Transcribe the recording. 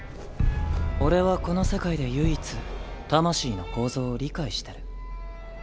俺はこの世界で唯一魂の構造を理解してる。